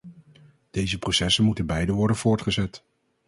Deze processen moeten beide worden voortgezet.